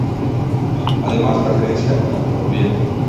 Además, la gerencia y la contaduría.